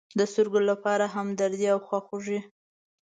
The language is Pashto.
د سترگو لپاره همدردي او خواخوږي.